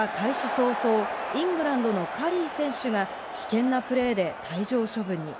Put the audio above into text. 早々、イングランドのカリー選手が危険なプレーで退場処分に。